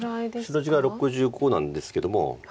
白地が６５なんですけども。